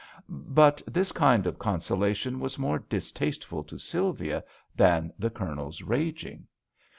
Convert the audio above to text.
But this kind of consolation was more distasteful to Sylvia than the Colonel's raging.